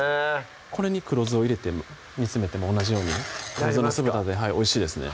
これに黒酢を入れて煮詰めても同じようにね黒酢の酢豚でおいしいですね